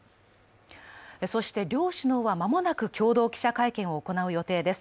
そして両首脳は間もなく共同記者会見を行う予定です。